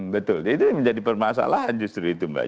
betul itu yang menjadi permasalahan justru itu mbak